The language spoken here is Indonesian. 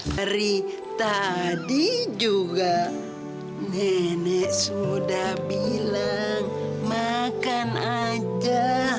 hari tadi juga nenek sudah bilang makan aja